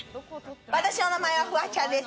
私の名前はフワちゃんです。